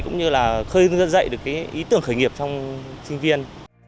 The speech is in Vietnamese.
cũng như là khơi dẫn dạy được ý tưởng khởi nghiệp trong sinh viên